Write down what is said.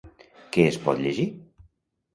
Què es pot llegir?